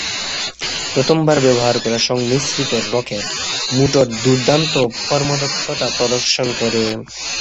প্রথমবার ব্যবহার করা সংমিশ্রিত রকেট মোটর দুর্দান্ত কর্মদক্ষতা প্রদর্শন করে।